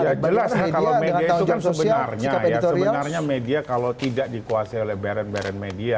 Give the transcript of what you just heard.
ya jelas kalau media itu kan sebenarnya sebenarnya media kalau tidak dikuasai oleh beran beran media